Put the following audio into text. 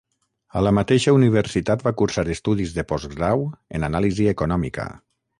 A la mateixa universitat va cursar estudis de postgrau en Anàlisi Econòmica.